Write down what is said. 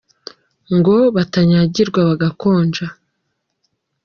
Ngo batanyagirwa bagakonja.